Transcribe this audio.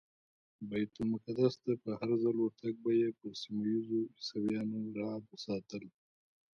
بیت المقدس ته په هرځل ورتګ به یې پر سیمه ایزو عیسویانو رعب ساتل.